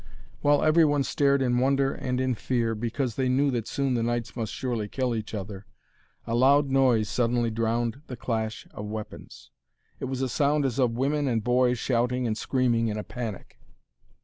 While every one stared in wonder and in fear, because they knew that soon the knights must surely kill each other, a loud noise suddenly drowned the clash of weapons. It was a sound as of women and boys shouting and screaming in a panic.